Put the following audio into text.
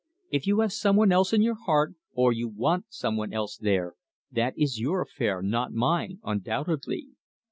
If you have some one else in your heart, or want some one else there, that is your affair, not mine undoubtedly.